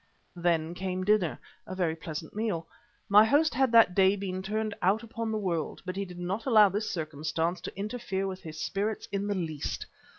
Then came dinner, a very pleasant meal. My host had that day been turned out upon the world, but he did not allow this circumstance to interfere with his spirits in the least.